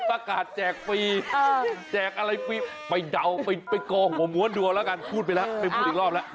แจกฟรีแจกอะไรฟรีไปเดาไปกอหัวม้วนดูเอาแล้วกันพูดไปแล้วไปพูดอีกรอบแล้ว